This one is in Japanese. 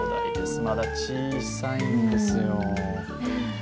まだ小さいんですよ。